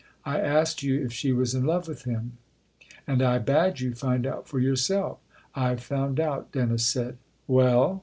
" I asked you if she was in love with him.'' " And 1 bade you find out for yourself." " I've found out," Dennis said. "Well?"